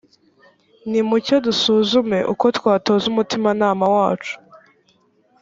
nimucyo dusuzume uko twatoza umutimanama wacu